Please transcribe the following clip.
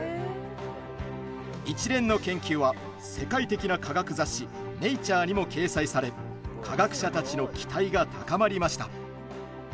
一連の研究は、世界的な科学雑誌「ネイチャー」にも掲載され科学者たちの期待が高まりました。